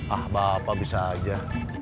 ah bapak bisa aja